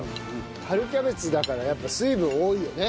春キャベツだからやっぱり水分多いよね。